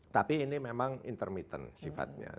tapi ini memang intermittent sifatnya